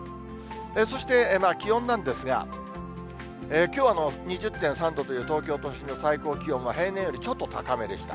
そして、気温なんですが、きょうは２０．３度という、東京都心の最高気温は平年よりちょっと高めでした。